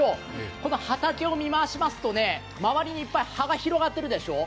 この畑を見回しますと、周りにいっぱい葉が広がってるでしょう？